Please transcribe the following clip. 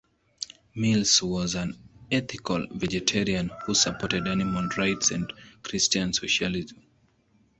Mills was an ethical vegetarian who supported animal rights and Christian socialism.